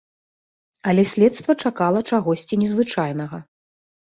Але следства чакала чагосьці незвычайнага.